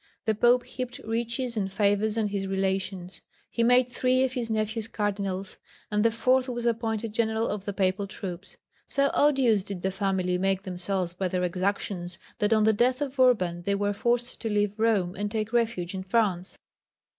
The Pope heaped riches and favours on his relations. He made three of his nephews cardinals, and the fourth was appointed General of the Papal troops. So odious did the family make themselves by their exactions that on the death of Urban they were forced to leave Rome and take refuge in France.